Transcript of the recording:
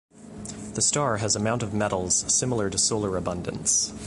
The star has amount of metals similar to solar abundance.